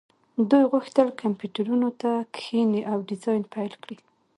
دوی غوښتل کمپیوټرونو ته کښیني او ډیزاین پیل کړي